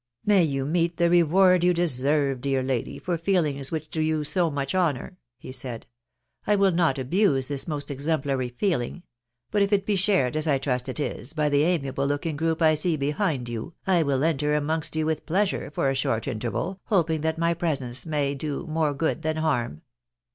" May you meet the reward you deserve, dear lady, for feelings which do you so much honour," he said. " I will not abuse this most exemplary feeling ; but if it be shared, as I trust it is, by the amiable looking group I see behind you, I will enter amongst you with pleasure for a short interval, hoping that my presence may do more good than harm."